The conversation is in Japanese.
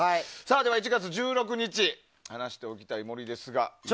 では１月１６日話しておきたい森ですが。